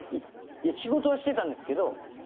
仕事はしてたんですけど辞めて。